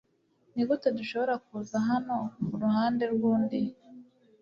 nigute dushobora kuza hano kuruhande rwundi